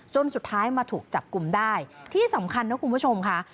จนสุดท้ายมาถูกจับกลุ่มได้ที่สำคัญนะคุณผู้ชมค่ะ